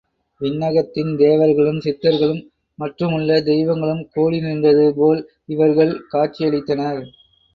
விண்ணகத்தின் தேவர்களும், சித்தர்களும், மற்றுமுள்ள தெய்வங்களும் கூடிநின்றது போல் இவர்கள் காட்சி அளித்தனர்.